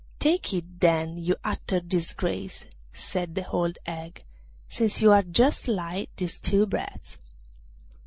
'Take it, then, you utter disgrace!' said the old hag, 'since you are just like these two brats.